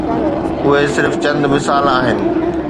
اهي صرف چند مثال آهن.